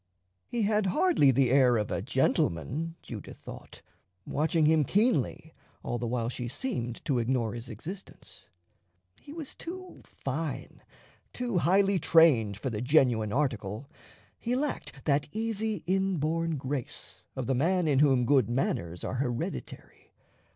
He had hardly the air of a gentleman, Judith thought, watching him keenly all the while she seemed to ignore his existence. He was too fine, too highly trained for the genuine article; he lacked that easy inborn grace of the man in whom good manners are hereditary.